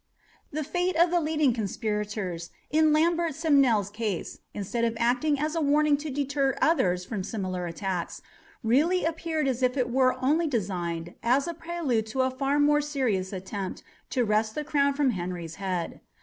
The fate of the leading conspirators in Lambert Simnel's case, instead of acting as a warning to deter others from similar attacks, really appeared as if it were only designed as prelude to a far more serious attempt to wrest the crown from Henry's head.